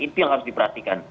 itu yang harus diperhatikan